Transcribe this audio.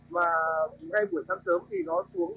mà ngay buổi sáng sớm thì nó xuống sáu độ c